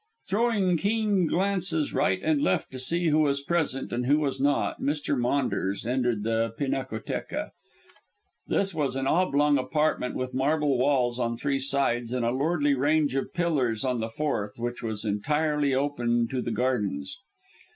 Throwing keen glances right and left to see who was present and who was not, Mr. Maunders entered the pinacotheca. This was an oblong apartment with marble walls on three sides and a lordly range of pillars on the fourth, which was entirely open to the gardens.